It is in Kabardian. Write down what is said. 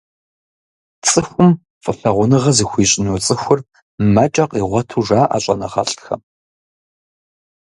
Цӏыхум фӏылъагъуныгъэ зыхуищӏыну цӏыхур, мэкӏэ къигъуэту жаӏэ щӏэныгъэлӏхэм.